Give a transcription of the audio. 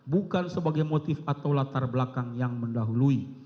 bukan sebagai motif atau latar belakang yang mendahului